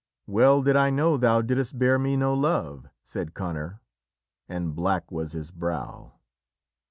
"Well did I know thou didst bear me no love," said Conor, and black was his brow.